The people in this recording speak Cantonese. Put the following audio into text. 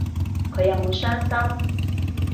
佢有冇傷心